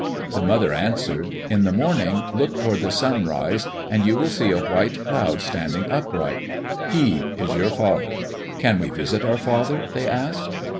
The mother answered: "In the morning, look toward the sunrise and you will see a white Cloud standing upright. He is your father." "Can we visit our father?" they asked.